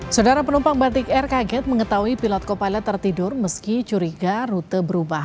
saudara penumpang batik air kaget mengetahui pilot co pilot tertidur meski curiga rute berubah